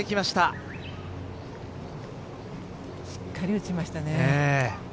しっかり打ちましたね。